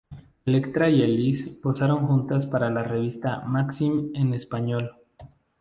Electra y Elise posaron juntas para la revista Maxim En Español.